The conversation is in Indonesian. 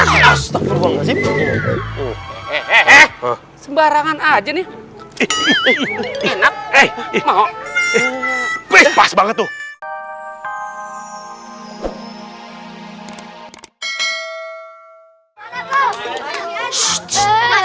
eh sembarangan aja nih enak eh mau pas banget tuh